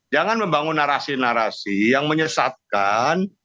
jangan membangun narasi narasi yang menyesatkan